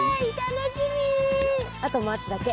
あと待つだけ。